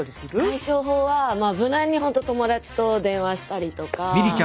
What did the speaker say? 解消法はまあ無難にほんと友達と電話したりとか。